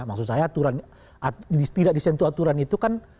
maksud saya aturan tidak disentuh aturan itu kan